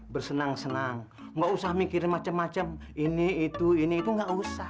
bersenang senang gak usah mikir macam macam ini itu ini itu nggak usah